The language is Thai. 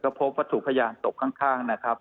ก็พบว่าถูกขยานตกข้างนะครับ